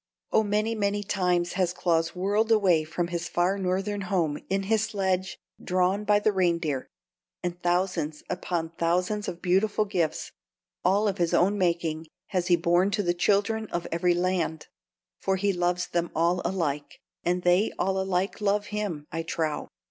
Oh, many, many times has Claus whirled away from his far Northern home in his sledge drawn by the reindeer, and thousands upon thousands of beautiful gifts all of his own making has he borne to the children of every land; for he loves them all alike, and they all alike love him, I trow.